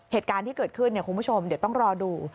เหตุการณ์ที่เกิดขึ้นคุณผู้ชมเดี๋ยวต้องรอดู